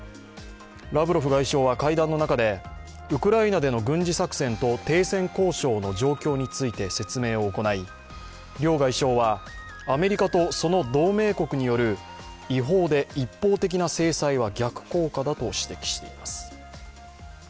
ラブロフ外相は会談の中でウクライナでの軍事作戦と停戦交渉の状況について説明を行い、両外相はアメリカとその同盟国による違法で一方的な制裁は逆効果だと指摘しています。